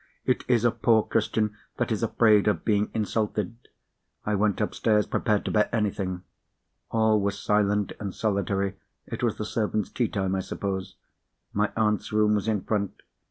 It is a poor Christian that is afraid of being insulted. I went upstairs, prepared to bear anything. All was silent and solitary—it was the servants' tea time, I suppose. My aunt's room was in front.